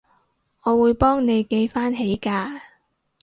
我會幫你記返起㗎